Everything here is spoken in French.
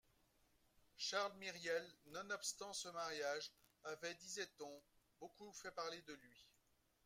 Charles Myriel, nonobstant ce mariage, avait, disait-on, beaucoup fait parler de lui